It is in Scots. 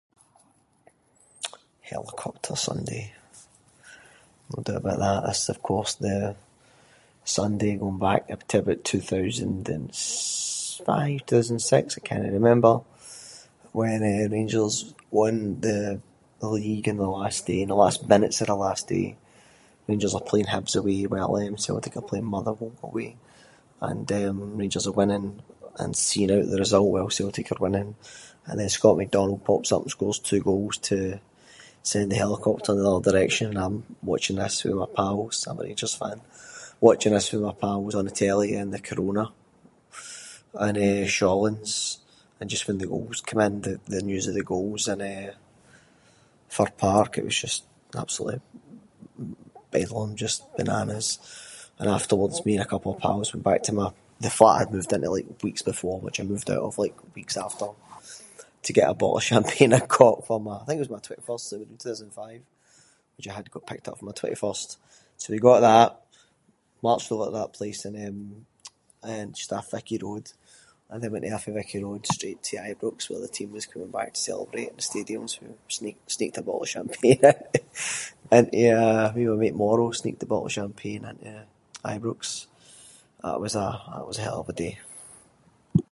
Helicopter Sunday- we’ll do a bit of that. That’s of course the Sunday going back to about two-thousand-and-s- five, two-thousand-and-six? I cannae remember. When, eh, Rangers won the league in the last day- in the last minutes of the last day. Rangers are playing Hibs away while eh Celtic are playing Motherwell away. And eh Rangers are winning and seeing out the result, while Celtic are winning. And then Scott McDonald pops up and scores two goals, to send the helicopter in the other direction. I’m watching this with my pals- I’m a Rangers fan- watching this with my pals on the telly in the Corona in eh Shawlands. And just when the goals come in the- the news of the goals in eh Fir Park, it was just absolutely bedlam, just bananas. And afterwards me and a couple of pals went back to my- the flat I had moved into like weeks before, which I moved out of like weeks after, to get a bottle of champagne I got for my- I think it was my twenty-first in two-thousand-and-five, which I had got picked up for my twenty-first. So we got that, marched over to that place in eh, eh, just off Vicky Road, and then went off of Vicky Road straight to Ibrox where the team was coming back to celebrate in the stadium. We sne- sneaked a bottle of champagne into a- me and my mate [inc], sneaked a bottle of champagne into, eh, Ibrox. That was a- that was a hell of a day.